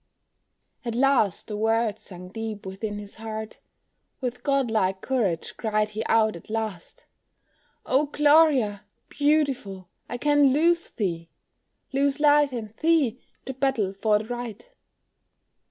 At last the words sunk deep within his heart, With god like courage cried he out at last, "Oh, Gloria, beautiful, I can lose thee, Lose life and thee, to battle for the right."